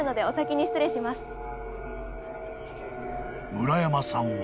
［村山さんは］